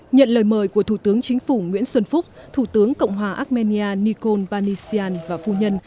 nhận lời mời của thủ tướng chính phủ nguyễn xuân phúc thủ tướng cộng hòa armenia nikol vanissian và phu nhân